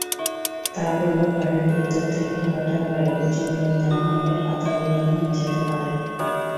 তারপরেও ঘরের ভেতর থেকে হঠাৎ বাইরে উজ্জ্বল রোদে নেওয়া হলে, পাতা বিবর্ণ হয়ে যেতে পারে।